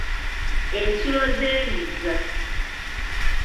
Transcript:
"Ensulo z'emigga,"